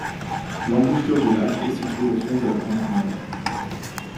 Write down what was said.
L'embouchure du lac est située au fond de la pointe nord.